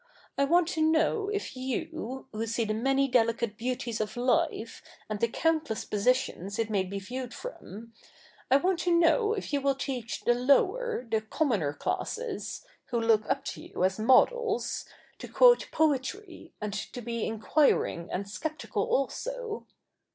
I want to know if you, who see the many delicate beauties of life, 3nd the countless positions it may be viewed from, — I want to know if you will teach the lower, the commoner classes, who look up to you as models, to quote poetry, and to be enquiring and sceptical also